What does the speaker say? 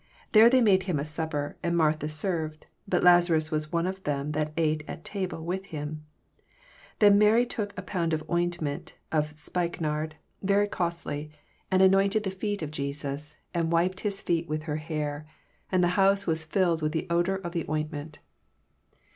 3 There they made him a supper; and Martha served: bat Lazams wai one of them that sat at the table with him. 3 Then took Mary a ponnd of oint ment of spikenard, very oostly, and 306 EXPOsrroBT thoughts. ftnointed the feet of Jesus, and wiped his foet with her hair: and the hoase was filled with the odour of the oint ment.